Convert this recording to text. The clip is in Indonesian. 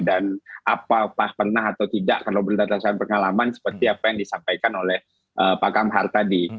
dan apa apa pernah atau tidak kalau berdasarkan pengalaman seperti apa yang disampaikan oleh pak kamhar tadi